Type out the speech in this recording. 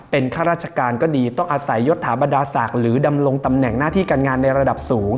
เป็นข้าราชการก็ดีต้องอาศัยยศถาบรรดาศักดิ์หรือดำรงตำแหน่งหน้าที่การงานในระดับสูง